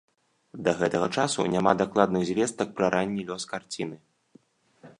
Да гэтага часу няма дакладных звестак пра ранні лёс карціны.